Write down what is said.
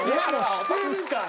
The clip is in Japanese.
してるから。